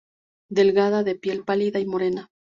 Delgada, de piel pálida y morena.